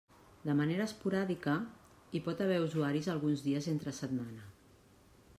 De manera esporàdica, hi pot haver usuaris alguns dies entre setmana.